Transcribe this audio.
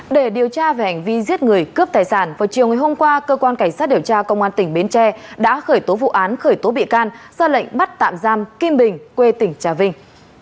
để điều tra về hành vi giết người cướp tài sản vào chiều ngày hôm qua cơ quan cảnh sát điều tra công an tỉnh bến tre đã khởi tố vụ án khởi tố bị can ra lệnh bắt tạm giam kim bình quê tỉnh trà vinh